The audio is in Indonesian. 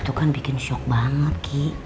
itu kan bikin shock banget ki